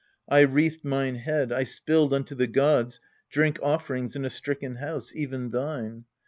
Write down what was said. I wreathed mine head, I spilled unto the gods Drink offerings in a stricken house, even thine.